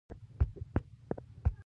او انسان به ئې ځان ته ډاونلوډ کوي -